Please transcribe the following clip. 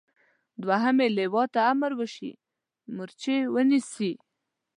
دوهمې لواء ته امر وشي مورچې ونیسي.